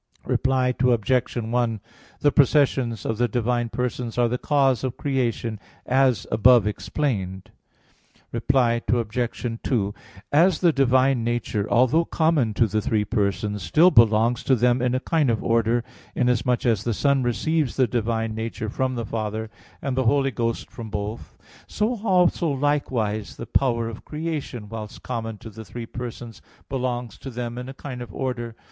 Reply Obj. 1: The processions of the divine Persons are the cause of creation, as above explained. Reply Obj. 2: As the divine nature, although common to the three Persons, still belongs to them in a kind of order, inasmuch as the Son receives the divine nature from the Father, and the Holy Ghost from both: so also likewise the power of creation, whilst common to the three Persons, belongs to them in a kind of order.